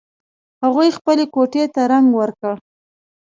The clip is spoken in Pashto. هغوی خپلې کوټې ته رنګ ور کړ